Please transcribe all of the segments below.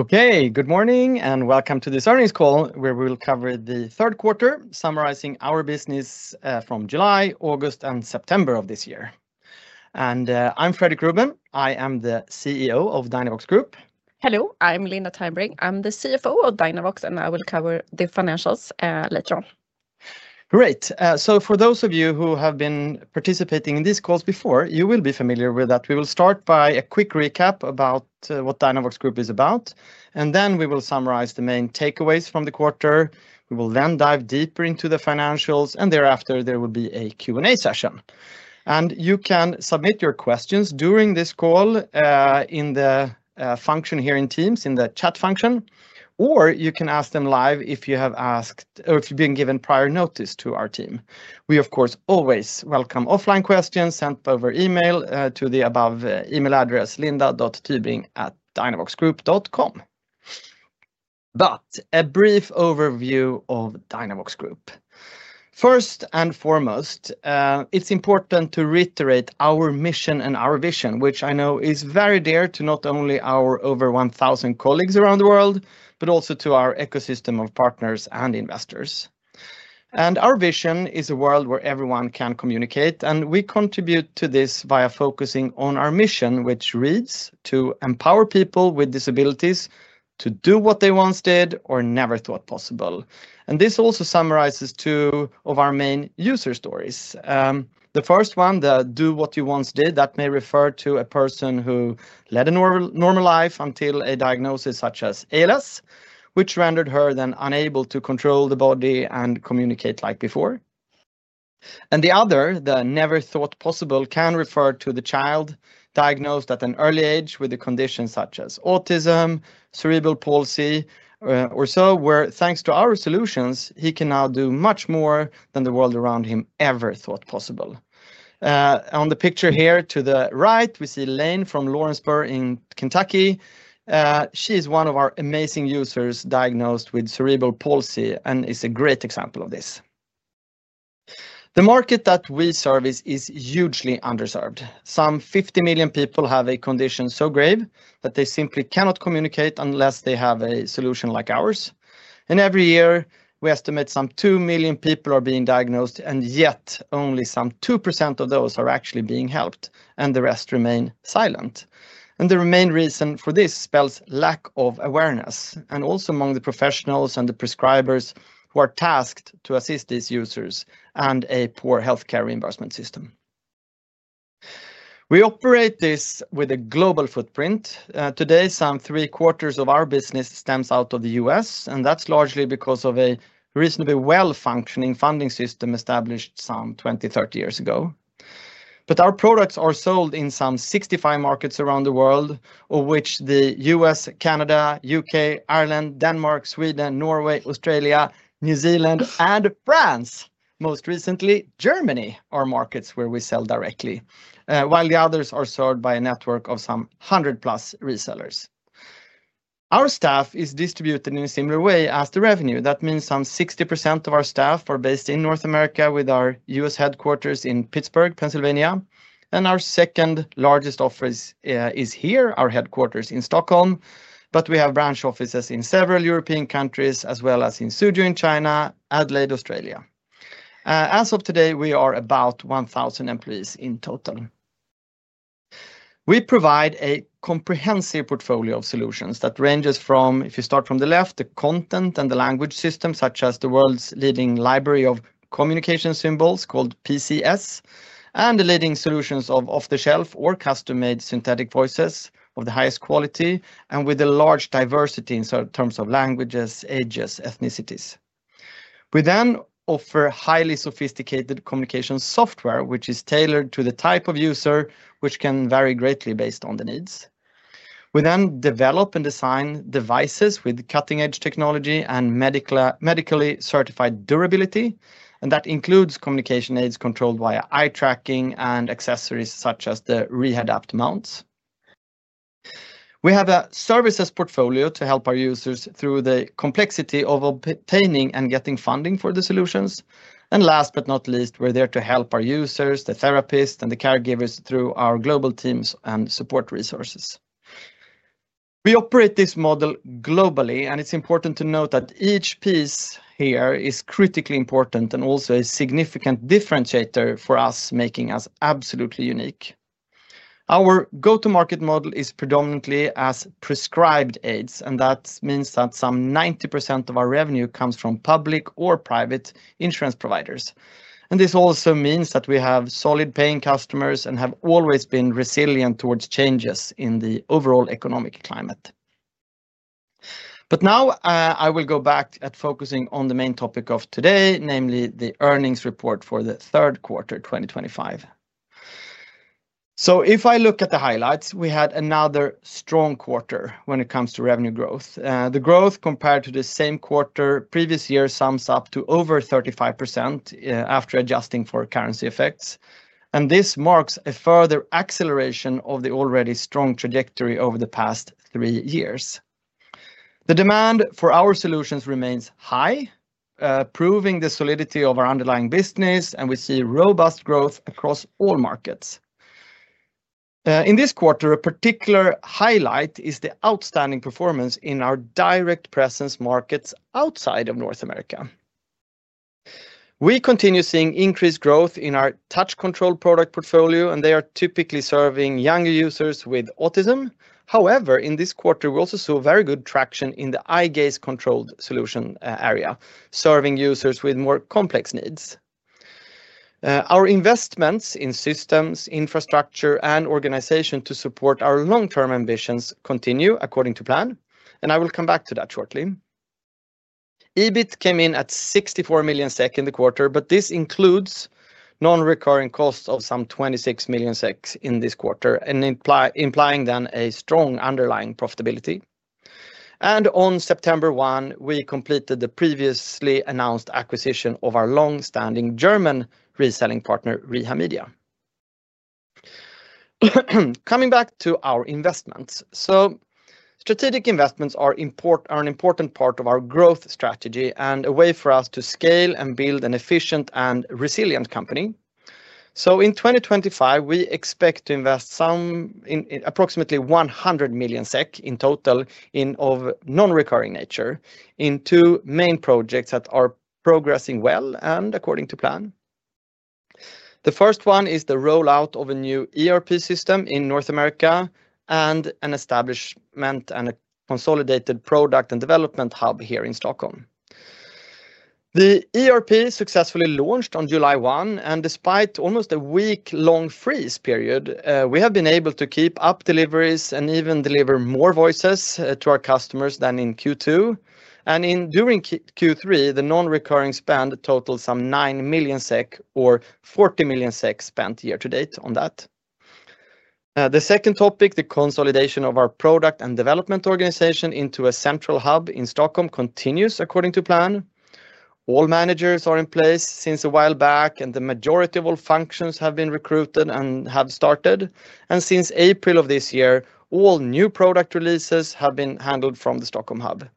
Okay, good morning and welcome to this earnings call where we'll cover the third quarter, summarizing our business from July, August, and September of this year. I'm Fredrik Ruben. I am the CEO of Dynavox Group. Hello, I'm Linda Tybring. I'm the CFO of Dynavox Group, and I will cover the financials later on. Great. For those of you who have been participating in these calls before, you will be familiar with that. We will start by a quick recap about what Dynavox Group is about, and then we will summarize the main takeaways from the quarter. We will then dive deeper into the financials, and thereafter, there will be a Q&A session. You can submit your questions during this call in the function here in Teams, in the chat function, or you can ask them live if you have asked or if you've been given prior notice to our team. We, of course, always welcome offline questions sent over email to the above email address, linda.tybring@dynavoxgroup.com. A brief overview of Dynavox Group. First and foremost, it's important to reiterate our mission and our vision, which I know is very dear to not only our over 1,000 colleagues around the world, but also to our ecosystem of partners and investors. Our vision is a world where everyone can communicate, and we contribute to this by focusing on our mission, which reads to empower people with disabilities to do what they once did or never thought possible. This also summarizes two of our main user stories. The first one, the do what you once did, that may refer to a person who led a normal life until a diagnosis such as ALS, which rendered her then unable to control the body and communicate like before. The other, the never thought possible, can refer to the child diagnosed at an early age with a condition such as autism, cerebral palsy, or so, where thanks to our solutions, he can now do much more than the world around him ever thought possible. On the picture here to the right, we see Lane from Lawrenceburg in Kentucky. She is one of our amazing users diagnosed with cerebral palsy and is a great example of this. The market that we service is hugely underserved. Some 50 million people have a condition so grave that they simply cannot communicate unless they have a solution like ours. Every year, we estimate some 2 million people are being diagnosed, and yet only some 2% of those are actually being helped, and the rest remain silent. The main reason for this spells lack of awareness, and also among the professionals and the prescribers who are tasked to assist these users, and a poor healthcare reimbursement system. We operate this with a global footprint. Today, some three quarters of our business stems out of the U.S., and that's largely because of a reasonably well-functioning funding system established some 20, 30 years ago. Our products are sold in some 65 markets around the world, of which the U.S., Canada, U.K., Ireland, Denmark, Sweden, Norway, Australia, New Zealand, and France, most recently Germany, are markets where we sell directly, while the others are served by a network of some 100+ resellers. Our staff is distributed in a similar way as the revenue. That means some 60% of our staff are based in North America with our U.S. headquarters in Pittsburgh, Pennsylvania, and our second largest office is here, our headquarters in Stockholm. We have branch offices in several European countries, as well as in Suzhou in China, Adelaide, Australia. As of today, we are about 1,000 employees in total. We provide a comprehensive portfolio of solutions that ranges from, if you start from the left, the content and the language systems, such as the world's leading library of communication symbols called PCS, and the leading solutions of off-the-shelf or custom-made synthetic voices of the highest quality, and with a large diversity in terms of languages, ages, and ethnicities. We then offer highly sophisticated communication software, which is tailored to the type of user, which can vary greatly based on the needs. We then develop and design devices with cutting-edge technology and medically certified durability, and that includes communication aids controlled via eye tracking and accessories such as the Rehadapt mounts. We have a services portfolio to help our users through the complexity of obtaining and getting funding for the solutions. Last but not least, we're there to help our users, the therapists, and the caregivers through our global teams and support resources. We operate this model globally, and it's important to note that each piece here is critically important and also a significant differentiator for us, making us absolutely unique. Our go-to-market model is predominantly as prescribed aids, and that means that some 90% of our revenue comes from public or private insurance providers. This also means that we have solid paying customers and have always been resilient towards changes in the overall economic climate. Now I will go back at focusing on the main topic of today, namely the earnings report for the third quarter 2025. If I look at the highlights, we had another strong quarter when it comes to revenue growth. The growth compared to the same quarter previous year sums up to over 35% after adjusting for currency effects. This marks a further acceleration of the already strong trajectory over the past three years. The demand for our solutions remains high, proving the solidity of our underlying business, and we see robust growth across all markets. In this quarter, a particular highlight is the outstanding performance in our direct presence markets outside of North America. We continue seeing increased growth in our touch control product portfolio, and they are typically serving younger users with autism. However, in this quarter, we also saw very good traction in the eye gaze-controlled solution area, serving users with more complex needs. Our investments in systems, infrastructure, and organization to support our long-term ambitions continue according to plan, and I will come back to that shortly. EBIT came in at 64 million SEK in the quarter, but this includes non-recurring costs of some 26 million SEK in this quarter, implying a strong underlying profitability. On September 1, we completed the previously announced acquisition of our long-standing German reselling partner, Reha Media. Coming back to our investments, strategic investments are an important part of our growth strategy and a way for us to scale and build an efficient and resilient company. In 2025, we expect to invest approximately 100 million SEK in total of non-recurring nature in two main projects that are progressing well and according to plan. The first one is the rollout of a new ERP system in North America and an establishment and a consolidated product and development hub here in Stockholm. The ERP successfully launched on July 1, and despite almost a week-long freeze period, we have been able to keep up deliveries and even deliver more voices to our customers than in Q2. During Q3, the non-recurring spend totaled some 9 million SEK or 40 million SEK spent year to date on that. The second topic, the consolidation of our product and development organization into a central hub in Stockholm, continues according to plan. All managers are in place since a while back, and the majority of all functions have been recruited and have started. Since April of this year, all new product releases have been handled from the Stockholm hub.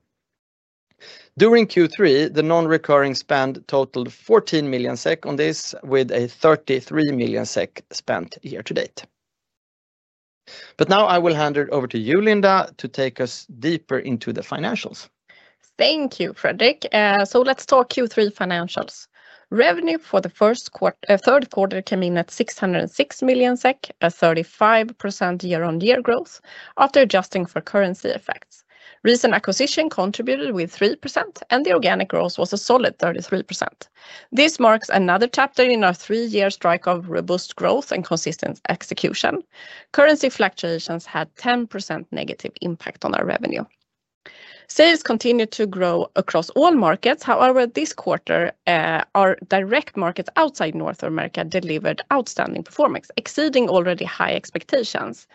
During Q3, the non-recurring spend totaled 14 million SEK on this, with 33 million SEK spent year to date. Now I will hand it over to you, Linda, to take us deeper into the financials. Thank you, Fredrik. Let's talk Q3 financials. Revenue for the third quarter came in at 606 million SEK, a 35% year-on-year growth after adjusting for currency effects. Recent acquisition contributed with 3%, and the organic growth was a solid 33%. This marks another chapter in our three-year streak of robust growth and consistent execution. Currency fluctuations had a 10% negative impact on our revenue. Sales continued to grow across all markets. However, this quarter, our direct markets outside North America delivered outstanding performance, exceeding already high expectations.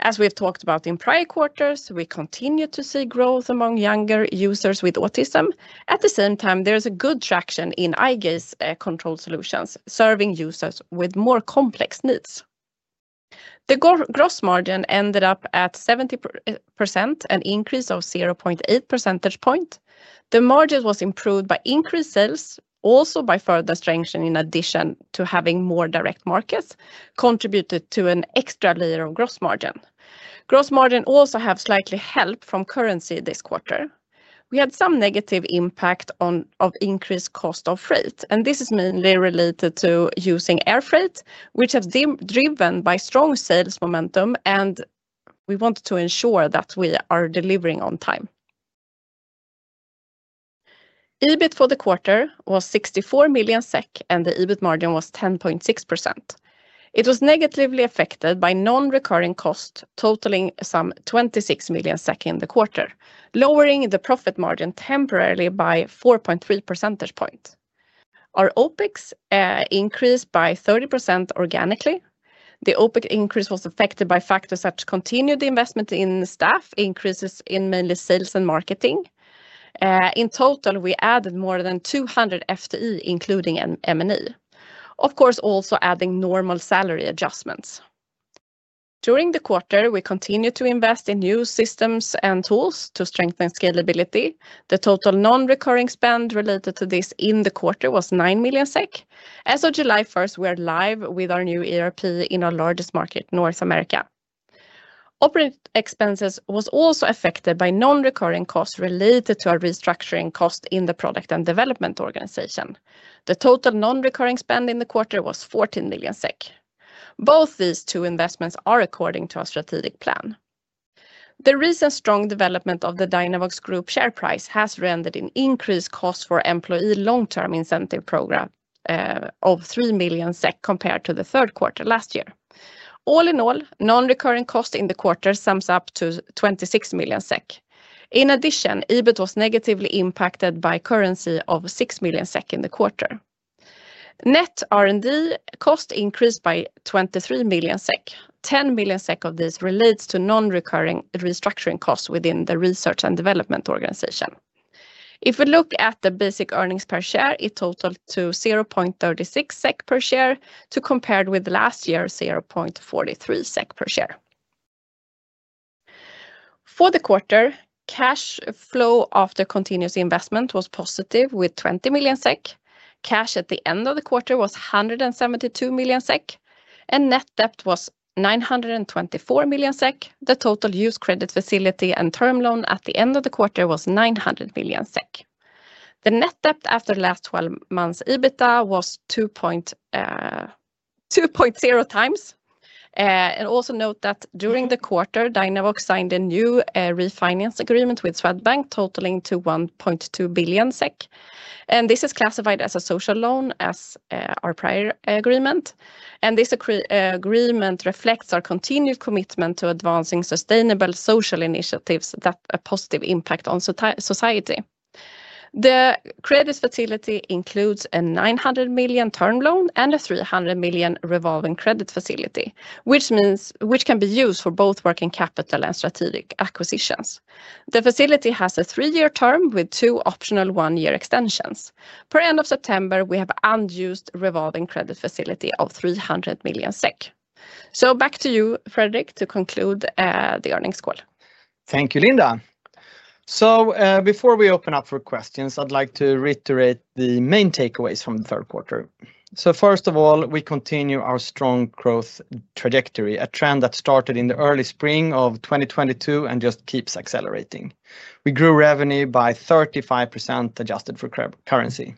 As we've talked about in prior quarters, we continue to see growth among younger users with autism. At the same time, there is good traction in eye gaze-controlled solutions, serving users with more complex needs. The gross margin ended up at 70%, an increase of 0.8 percentage point. The margin was improved by increased sales, also by further strengthening in addition to having more direct markets, contributed to an extra layer of gross margin. Gross margin also had slightly helped from currency this quarter. We had some negative impact on increased cost of freight, and this is mainly related to using air freight, which has been driven by strong sales momentum, and we wanted to ensure that we are delivering on time. EBIT for the quarter was 64 million SEK, and the EBIT margin was 10.6%. It was negatively affected by non-recurring costs, totaling some 26 million SEK in the quarter, lowering the profit margin temporarily by 4.3 percentage points. Our OpEx increased by 30% organically. The OpEx increase was affected by factors such as continued investment in staff, increases in mainly sales and marketing. In total, we added more than 200 FTE, including an M&E, of course, also adding normal salary adjustments. During the quarter, we continued to invest in new systems and tools to strengthen scalability. The total non-recurring spend related to this in the quarter was 9 million SEK. As of July 1, we are live with our new ERP system in our largest market, North America. Operating expenses were also affected by non-recurring costs related to our restructuring costs in the product and development organization. The total non-recurring spend in the quarter was 14 million SEK. Both these two investments are according to our strategic plan. The recent strong development of the Dynavox Group share price has rendered an increased cost for employee long-term incentive program of 3 million SEK compared to the third quarter last year. All in all, non-recurring costs in the quarter sum up to 26 million SEK. In addition, EBIT was negatively impacted by currency of 6 million SEK in the quarter. Net R&D cost increased by 23 million SEK. 10 million SEK of this relates to non-recurring restructuring costs within the research and development organization. If we look at the basic earnings per share, it totaled to 0.36 SEK per share, compared with last year's 0.43 SEK per share. For the quarter, cash flow after continuous investment was positive with 20 million SEK. Cash at the end of the quarter was 172 million SEK. Net debt was 924 million SEK. The total used credit facility and term loan at the end of the quarter was 900 million SEK. The net debt after the last 12 months EBITDA was 2.0x. Also note that during the quarter, Dynavox Group signed a new refinance agreement with Swedbank, totaling 1.2 billion SEK. This is classified as a social loan, as our prior agreement. This agreement reflects our continued commitment to advancing sustainable social initiatives that have a positive impact on society. The credit facility includes a 900 million term loan and a 300 million revolving credit facility, which can be used for both working capital and strategic acquisitions. The facility has a three-year term with two optional one-year extensions. Per end of September, we have an unused revolving credit facility of 300 million SEK. Back to you, Fredrik, to conclude the earnings call. Thank you, Linda. Before we open up for questions, I'd like to reiterate the main takeaways from the third quarter. First of all, we continue our strong growth trajectory, a trend that started in the early spring of 2022 and just keeps accelerating. We grew revenue by 35% adjusted for currency.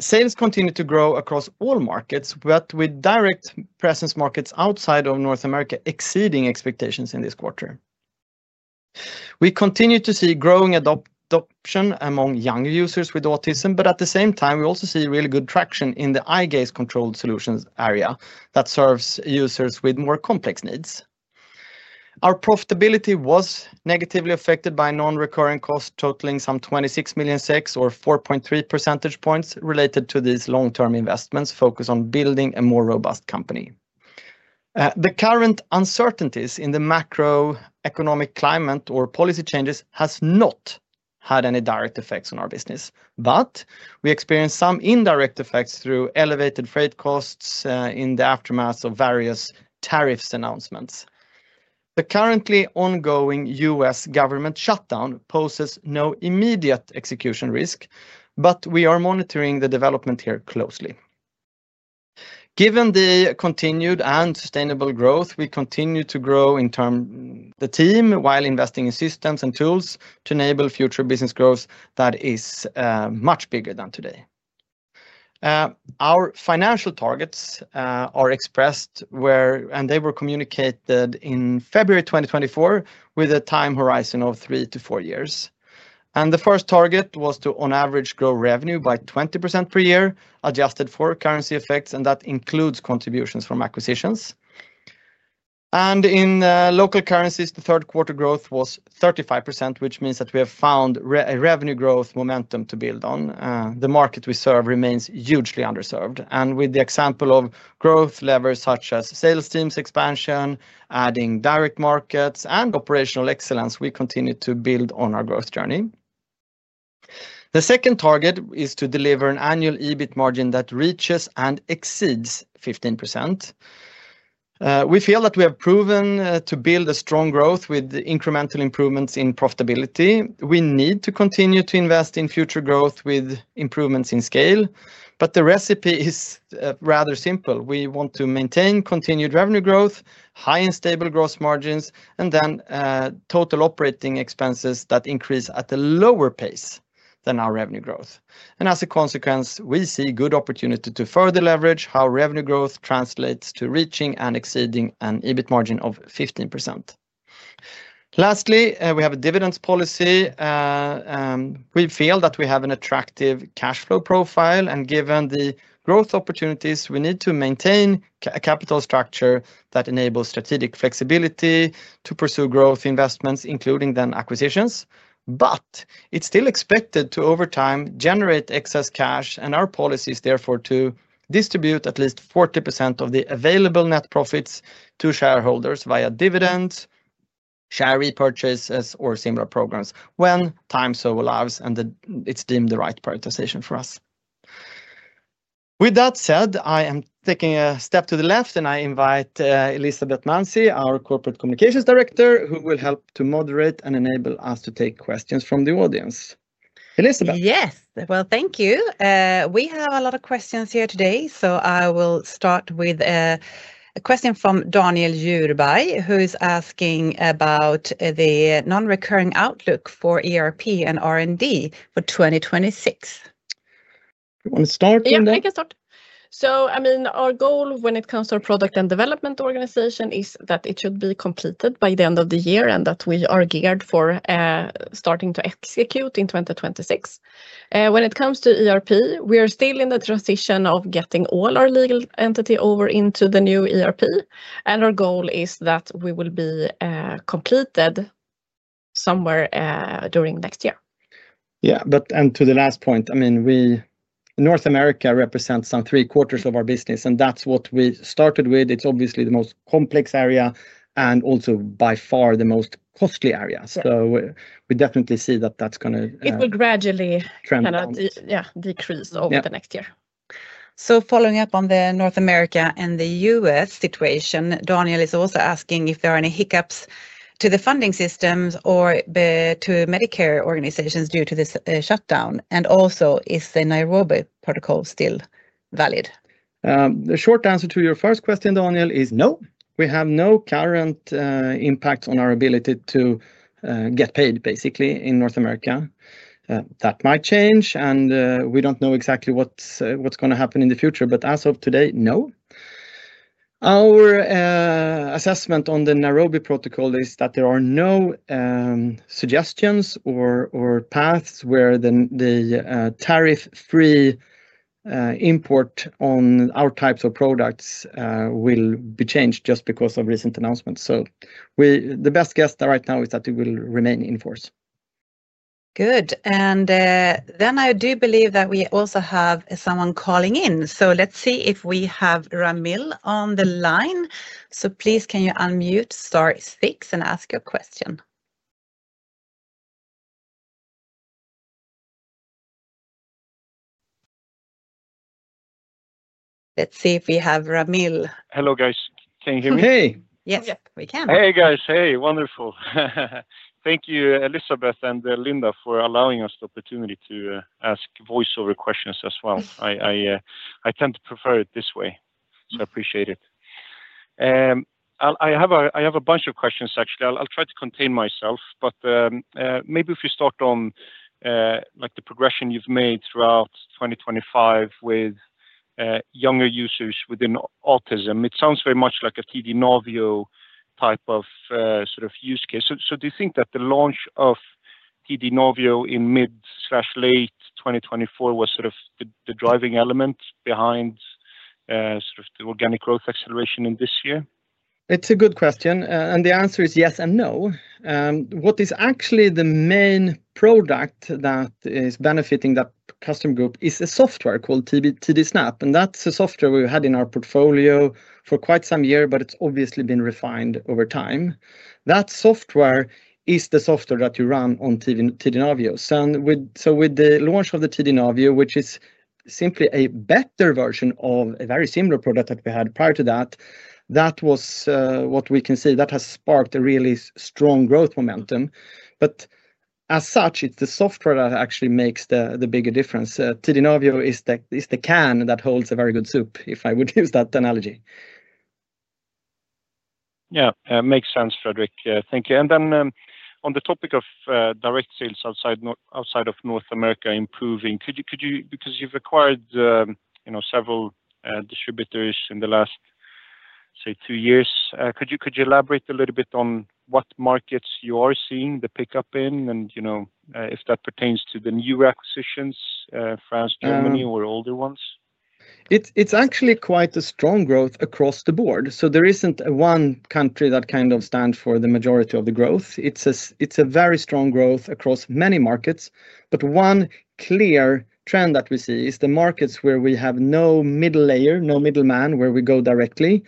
Sales continue to grow across all markets, with direct presence markets outside of North America exceeding expectations in this quarter. We continue to see growing adoption among young users with autism, and at the same time, we also see really good traction in the eye gaze-controlled solutions area that serves users with more complex needs. Our profitability was negatively affected by non-recurring costs, totaling some 26 million or 4.3% related to these long-term investments focused on building a more robust company. The current uncertainties in the macroeconomic climate or policy changes have not had any direct effects on our business, but we experienced some indirect effects through elevated freight costs in the aftermath of various tariffs announcements. The currently ongoing U.S. government shutdown poses no immediate execution risk, and we are monitoring the development here closely. Given the continued and sustainable growth, we continue to grow in terms of the team while investing in systems and tools to enable future business growth that is much bigger than today. Our financial targets are expressed where they were communicated in February 2024 with a time horizon of three to four years. The first target was to, on average, grow revenue by 20% per year, adjusted for currency effects, and that includes contributions from acquisitions. In local currencies, the third quarter growth was 35%, which means that we have found a revenue growth momentum to build on. The market we serve remains hugely underserved, with the example of growth levers such as sales teams expansion, adding direct markets, and operational excellence, we continue to build on our growth journey. The second target is to deliver an annual EBIT margin that reaches and exceeds 15%. We feel that we have proven to build a strong growth with incremental improvements in profitability. We need to continue to invest in future growth with improvements in scale, but the recipe is rather simple. We want to maintain continued revenue growth, high and stable gross margins, and then total operating expenses that increase at a lower pace than our revenue growth. As a consequence, we see good opportunity to further leverage how revenue growth translates to reaching and exceeding an EBIT margin of 15%. Lastly, we have a dividends policy. We feel that we have an attractive cash flow profile, and given the growth opportunities, we need to maintain a capital structure that enables strategic flexibility to pursue growth investments, including acquisitions. It is still expected to, over time, generate excess cash, and our policy is therefore to distribute at least 40% of the available net profits to shareholders via dividends, share repurchases, or similar programs when time so allows, and it is deemed the right prioritization for us. With that said, I am taking a step to the left, and I invite Elisabeth Manzi, our Corporate Communications Director, who will help to moderate and enable us to take questions from the audience. Elisabeth? Yes, thank you. We have a lot of questions here today, so I will start with a question from Daniel [Kerbaj], who's asking about the non-recurring outlook for ERP and R&D for 2026. Do you want to start? Yeah, I can start. Our goal when it comes to our product and development organization is that it should be completed by the end of the year and that we are geared for starting to execute in 2026. When it comes to ERP, we are still in the transition of getting all our legal entity over into the new ERP, and our goal is that we will be completed somewhere during next year. Yeah, to the last point, I mean, North America represents some three quarters of our business, and that's what we started with. It's obviously the most complex area and also by far the most costly area. We definitely see that that's going to. It will gradually kind of decrease over the next year. Following up on the North America and the U.S. situation, Daniel is also asking if there are any hiccups to the funding systems or to Medicare organizations due to this shutdown, and also is the Nairobi protocol still valid? The short answer to your first question, Daniel, is no. We have no current impact on our ability to get paid, basically, in North America. That might change, and we don't know exactly what's going to happen in the future, but as of today, no. Our assessment on the Nairobi protocol is that there are no suggestions or paths where the tariff-free import on our types of products will be changed just because of recent announcements. The best guess right now is that it will remain in force. Good. I do believe that we also have someone calling in. Let's see if we have Ramil on the line. Please, can you unmute, start speaking, and ask your question? Let's see if we have Ramil. Hello guys, can you hear me? Hey. Yes, we can. Hey guys, hey, wonderful. Thank you, Elisabeth and Linda, for allowing us the opportunity to ask voiceover questions as well. I tend to prefer it this way, so I appreciate it. I have a bunch of questions, actually. I'll try to contain myself, but maybe if you start on the progression you've made throughout 2025 with younger users within autism, it sounds very much like a TD Navio type of use case. Do you think that the launch of TD Navio in mid-late 2024 was the driving element behind the organic growth acceleration in this year? It's a good question, and the answer is yes and no. What is actually the main product that is benefiting that custom group is a software called TD Snap, and that's a software we've had in our portfolio for quite some years, but it's obviously been refined over time. That software is the software that you run on TD Navio. With the launch of the TD Navio, which is simply a better version of a very similar product that we had prior to that, we can see that has sparked a really strong growth momentum. As such, it's the software that actually makes the bigger difference. TD Navio is the can that holds a very good soup, if I would use that analogy. Yeah, it makes sense, Fredrik. Thank you. On the topic of direct sales outside of North America improving, because you've acquired several distributors in the last, say, two years, could you elaborate a little bit on what markets you are seeing the pickup in and if that pertains to the new acquisitions, France, Germany, or older ones? It's actually quite a strong growth across the board. There isn't one country that kind of stands for the majority of the growth. It's a very strong growth across many markets. One clear trend that we see is the markets where we have no middle layer, no middleman, where we go directly.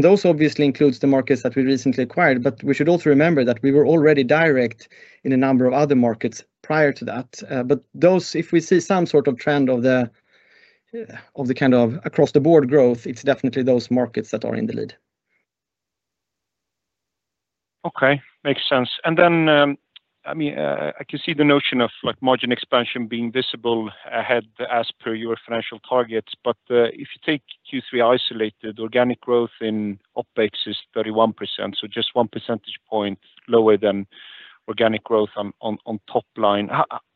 Those obviously include the markets that we recently acquired. We should also remember that we were already direct in a number of other markets prior to that. If we see some sort of trend of the kind of across-the-board growth, it's definitely those markets that are in the lead. Okay, makes sense. I can see the notion of margin expansion being visible ahead as per your financial targets, but if you take Q3 isolated, organic growth in OpEx is 31%, so just one percentage point lower than organic growth on top line.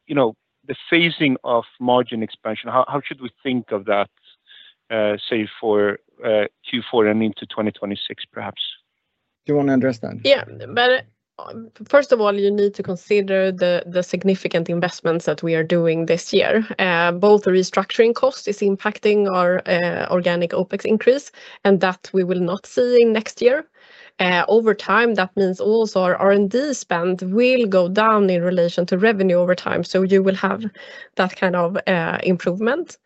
The phasing of margin expansion, how should we think of that, say, for Q4 and into 2026, perhaps? Do you want to address that? Yeah, first of all, you need to consider the significant investments that we are doing this year. Both the restructuring cost is impacting our organic OpEx increase, and that we will not see in next year. Over time, that means also our R&D spend will go down in relation to revenue over time, so you will have that kind of improvement.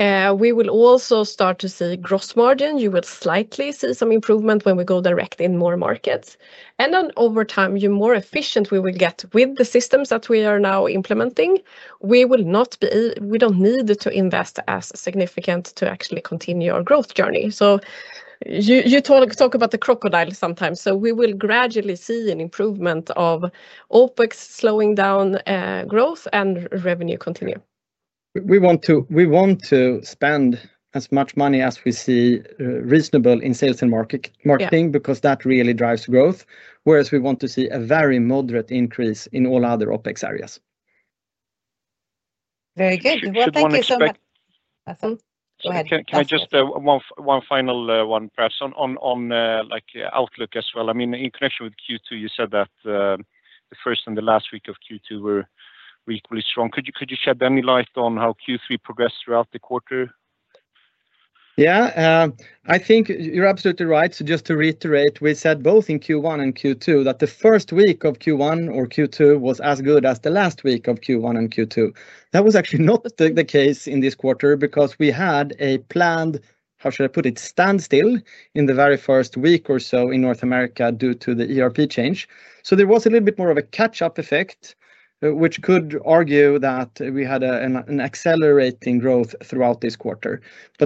We will also start to see gross margin. You will slightly see some improvement when we go direct in more markets. Over time, the more efficient we will get with the systems that we are now implementing, we will not need to invest as significant to actually continue our growth journey. You talk about the crocodile sometimes, so we will gradually see an improvement of OpEx slowing down growth and revenue continue. We want to spend as much money as we see reasonable in sales and marketing because that really drives growth, whereas we want to see a very moderate increase in all other OpEx areas. Very good. Thank you so much. Awesome. Go ahead. Can I just ask one final one on outlook as well? I mean, in connection with Q2, you said that the first and the last week of Q2 were equally strong. Could you shed any light on how Q3 progressed throughout the quarter? Yeah, I think you're absolutely right. Just to reiterate, we said both in Q1 and Q2 that the first week of Q1 or Q2 was as good as the last week of Q1 and Q2. That was actually not the case in this quarter because we had a planned, how should I put it, standstill in the very first week or so in North America due to the ERP system change. There was a little bit more of a catch-up effect, which could argue that we had an accelerating growth throughout this quarter.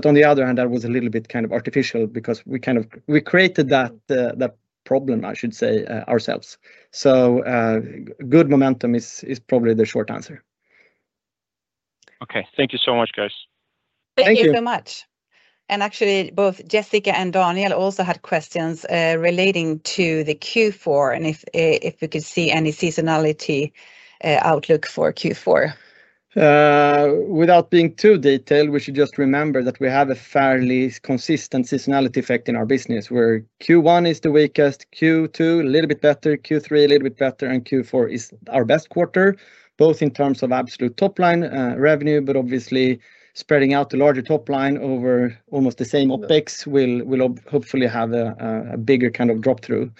On the other hand, that was a little bit kind of artificial because we kind of created that problem, I should say, ourselves. Good momentum is probably the short answer. Okay, thank you so much, guys. Thank you so much. Actually, both Jessica and Daniel also had questions relating to the Q4 and if we could see any seasonality outlook for Q4. Without being too detailed, we should just remember that we have a fairly consistent seasonality effect in our business, where Q1 is the weakest, Q2 a little bit better, Q3 a little bit better, and Q4 is our best quarter, both in terms of absolute top line revenue, but obviously spreading out the larger top line over almost the same OpEx. We'll hopefully have a bigger kind of drop through.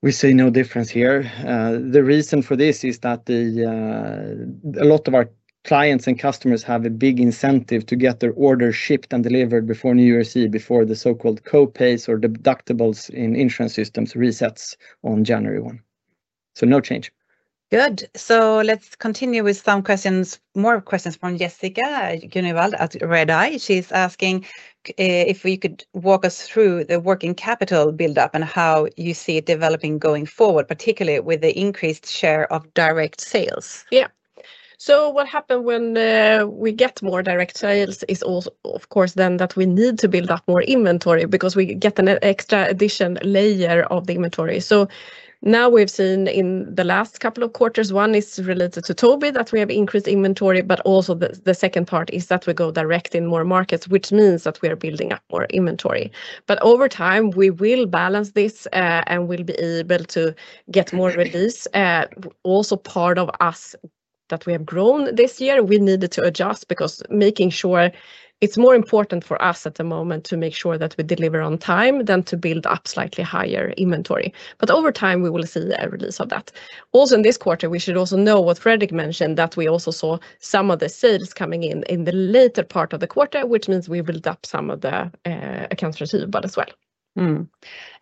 We see no difference here. The reason for this is that a lot of our clients and customers have a big incentive to get their orders shipped and delivered before New Year's Eve, before the so-called copays or deductibles in insurance systems reset on January 1. No change. Good. Let's continue with some questions, more questions from Jessica at RedEye. She's asking if you could walk us through the working capital buildup and how you see it developing going forward, particularly with the increased share of direct sales. Yeah. What happens when we get more direct sales is also, of course, that we need to build up more inventory because we get an extra additional layer of inventory. Now we've seen in the last couple of quarters, one is related to Tobii that we have increased inventory, but also the second part is that we go direct in more markets, which means that we are building up more inventory. Over time, we will balance this and we'll be able to get more release. Also, part of us that we have grown this year, we needed to adjust because making sure it's more important for us at the moment to make sure that we deliver on time than to build up slightly higher inventory. Over time, we will see a release of that. Also, in this quarter, we should also note what Fredrik mentioned, that we also saw some of the sales coming in in the later part of the quarter, which means we built up some of the accounts receivable as well.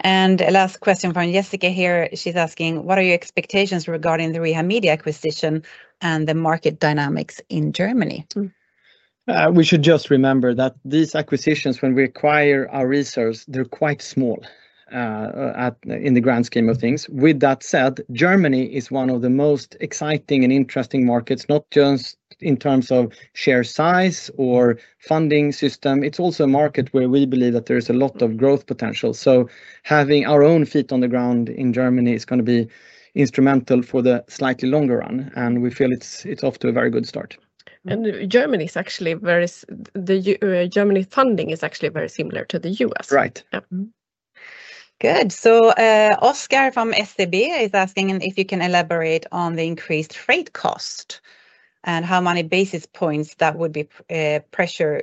Last question from Jessica here. She's asking, what are your expectations regarding the Reha Media acquisition and the market dynamics in Germany? We should just remember that these acquisitions, when we acquire our resource, they're quite small in the grand scheme of things. With that said, Germany is one of the most exciting and interesting markets, not just in terms of share size or funding system. It's also a market where we believe that there is a lot of growth potential. Having our own feet on the ground in Germany is going to be instrumental for the slightly longer run, and we feel it's off to a very good start. Germany funding is actually very similar to the U.S. Right. Good. Oscar from SCB is asking if you can elaborate on the increased freight cost and how many basis points that would be pressure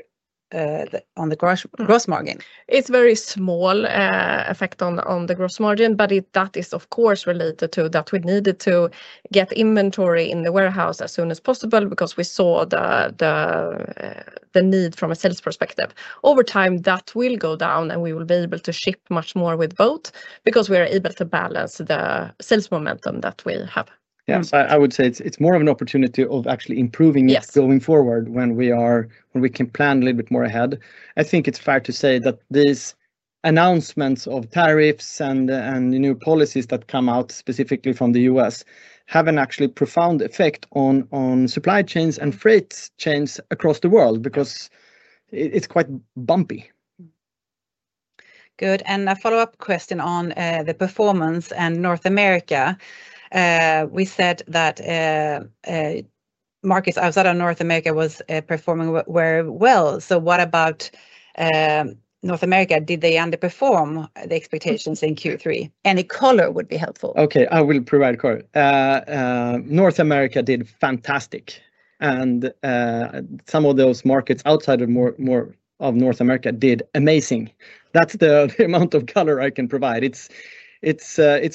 on the gross margin. It's a very small effect on the gross margin, but that is, of course, related to that we needed to get inventory in the warehouse as soon as possible because we saw the need from a sales perspective. Over time, that will go down, and we will be able to ship much more with both because we are able to balance the sales momentum that we have. I would say it's more of an opportunity of actually improving it going forward when we can plan a little bit more ahead. I think it's fair to say that these announcements of tariffs and new policies that come out specifically from the U.S. have an actually profound effect on supply chains and freight chains across the world because it's quite bumpy. Good. A follow-up question on the performance in North America. We said that markets outside of North America were performing very well. What about North America? Did they underperform the expectations in Q3? Any color would be helpful. Okay, I will provide a color. North America did fantastic, and some of those markets outside of North America did amazing. That's the amount of color I can provide. It's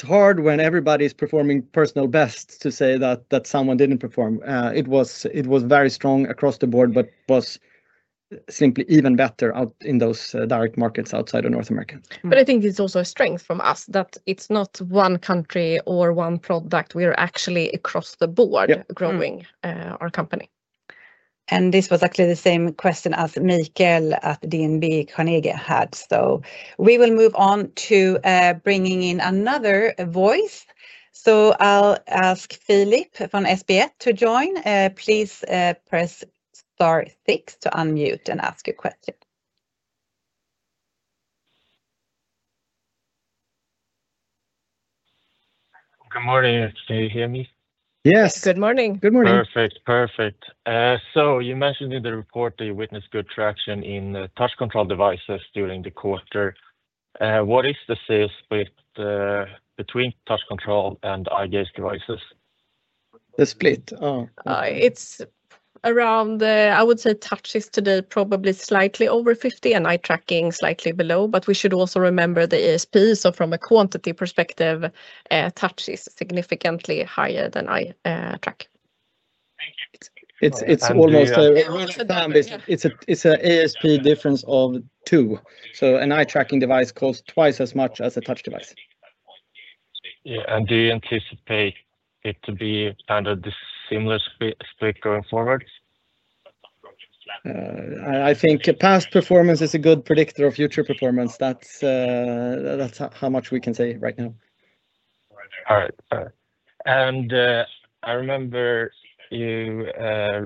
hard when everybody's performing personal best to say that someone didn't perform. It was very strong across the board, but was simply even better out in those direct markets outside of North America. I think it's also a strength from us that it's not one country or one product. We are actually across the board growing our company. This was actually the same question as Mikael at DNB Carnegie had. We will move on to bringing in another voice. I'll ask Philippe from SBF to join. Please press star six to unmute and ask your question. Good morning. Can you hear me? Yes. Good morning. Good morning. Perfect. You mentioned in the report that you witnessed good traction in touch control devices during the quarter. What is the sales split between touch control and eye gaze devices? The split? Oh. It's around, I would say, touch is today probably slightly over 50% and eye tracking slightly below, but we should also remember the ESP. From a quantity perspective, touch is significantly higher than eye tracking. It's almost a rule of thumb. It's an ERP difference of two. So an eye gaze-controlled device costs twice as much as a touch device. Do you anticipate it to be kind of a similar split going forward? I think past performance is a good predictor of future performance. That's how much we can say right now. All right. I remember you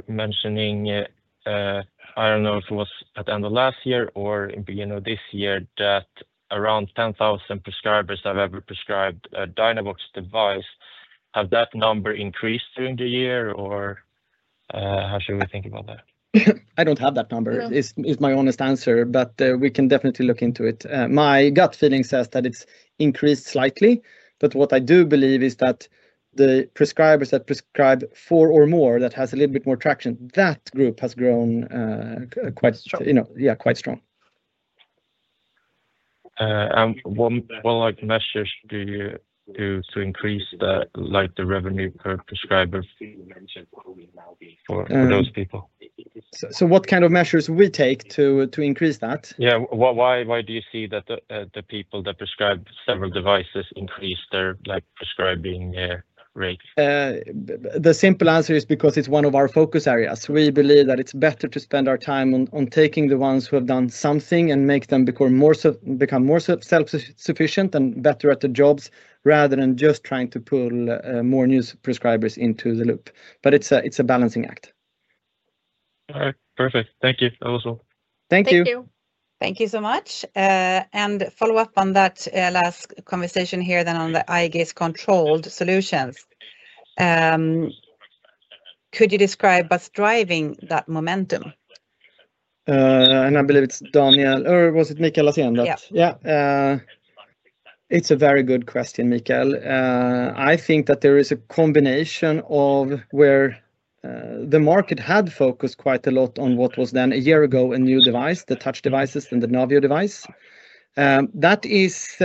mentioning, I don't know if it was at the end of last year or in the beginning of this year, that around 10,000 prescribers have ever prescribed a Dynavox device. Has that number increased during the year, or how should we think about that? I don't have that number. It's my honest answer, but we can definitely look into it. My gut feeling says that it's increased slightly, but what I do believe is that the prescribers that prescribe four or more that have a little bit more traction, that group has grown quite strong. What measures do you do to increase the revenue per prescriber for those people? What kind of measures do we take to increase that? Why do you see that the people that prescribe several devices increase their prescribing rate? The simple answer is because it's one of our focus areas. We believe that it's better to spend our time on taking the ones who have done something and make them become more self-sufficient and better at their jobs, rather than just trying to pull more new prescribers into the loop. It is a balancing act. All right. Perfect. Thank you. That was all. Thank you. Thank you. Thank you so much. To follow up on that last conversation here on the eye gaze-controlled solutions, could you describe what's driving that momentum? I believe it's Daniel, or was it Mikael at the end? Yes. Yeah. It's a very good question, Mikael. I think that there is a combination of where the market had focused quite a lot on what was then a year ago a new device, the touch devices and the TD Navio device. That is,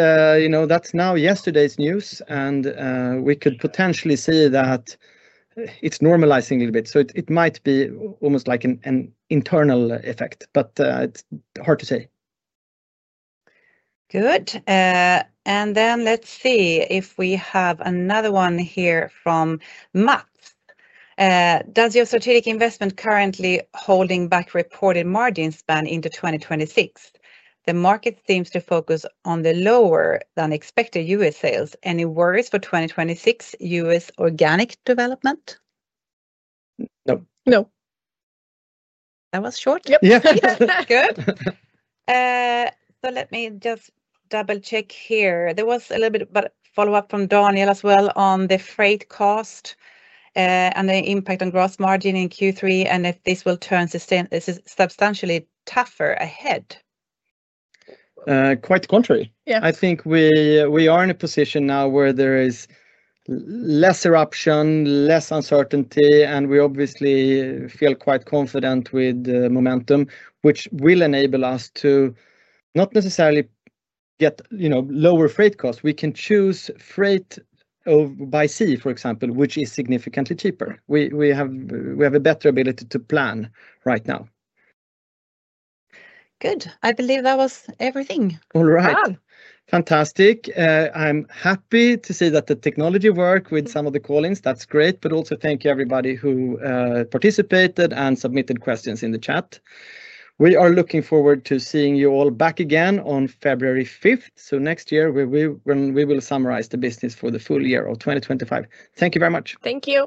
you know, that's now yesterday's news, and we could potentially see that it's normalizing a little bit. It might be almost like an internal effect, but it's hard to say. Good. Let's see if we have another one here from Matt. Does your strategic investment currently hold back reported margin spend into 2026? The market seems to focus on the lower than expected U.S. sales. Any worries for 2026 U.S. organic development? No. No. That was short. Yep. Yes. Let me just double-check here. There was a little bit of a follow-up from Daniel as well on the freight cost and the impact on gross margin in Q3 and if this will turn substantially tougher ahead. Quite contrary. I think we are in a position now where there is less disruption, less uncertainty, and we obviously feel quite confident with the momentum, which will enable us to not necessarily get lower freight costs. We can choose freight by sea, for example, which is significantly cheaper. We have a better ability to plan right now. Good. I believe that was everything. All right. Fantastic. I'm happy to see that the technology worked with some of the call-ins. That's great. Thank you, everybody, who participated and submitted questions in the chat. We are looking forward to seeing you all back again on February 5th next year, when we will summarize the business for the full year of 2025. Thank you very much. Thank you.